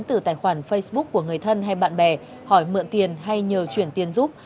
từ tài khoản facebook của người thân hay bạn bè hỏi mượn tiền hay nhờ chuyển tiền giúp